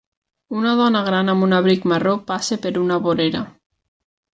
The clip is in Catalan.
Una dona gran amb un abric marró passa per una vorera